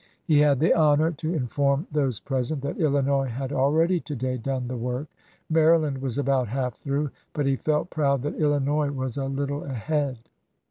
He had the honor to inform those present that Illinois had already to day done the work. Maryland was about half through, but he felt proud that Illinois was a little ahead.